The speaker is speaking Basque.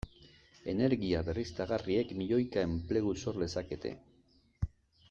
Energia berriztagarriek milioika enplegu sor lezakete.